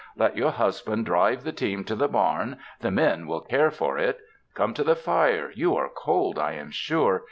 Let your husband drive the team to the l)arn, the men will care for it. Come to the fire, you are cold, I am sure.